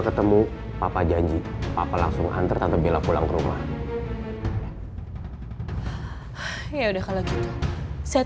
ketemu papa janji apa langsung hantar tante bella pulang rumah ya udah kalau gitu saya